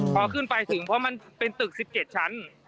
พอขึ้นไปถึงเพราะมันเป็นตึก๑๗ชั้น